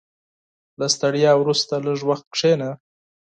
• له ستړیا وروسته، لږ وخت کښېنه.